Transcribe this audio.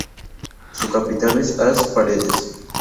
Su capital es As Paredes.